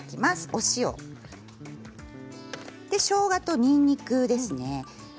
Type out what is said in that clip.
お塩、しょうがとにんにくですね。